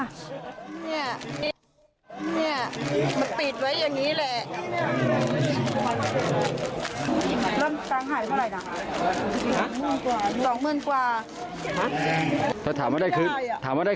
ถามว่าได้ขึ้นถามว่าได้ขึ้นไม่คงไม่